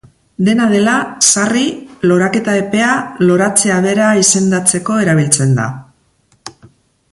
Dena dela, sarri, loraketa epea, loratzea bera izendatzeko erabiltzen da.